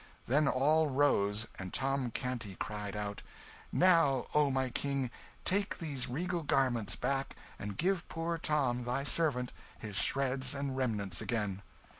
Then all rose, and Tom Canty cried out "Now, O my King, take these regal garments back, and give poor Tom, thy servant, his shreds and remnants again."